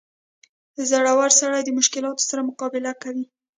• زړور سړی د مشکلاتو سره مقابله کوي.